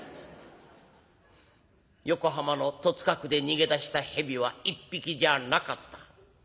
横浜の戸塚区で逃げ出したヘビは１匹じゃなかった。